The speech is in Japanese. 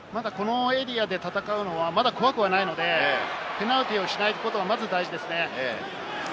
このエリアで戦うのはまだ怖くはないので、ペナルティーをしないことがまず大事ですね。